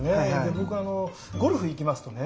僕ゴルフ行きますとね